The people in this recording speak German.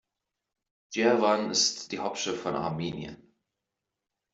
Jerewan ist die Hauptstadt von Armenien.